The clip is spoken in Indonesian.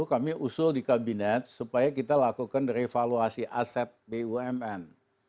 kami usul di kabinet supaya kita lakukan revaluasi aset bumn